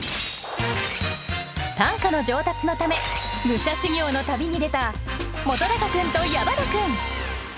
短歌の上達のため武者修行の旅に出た本君と矢花君。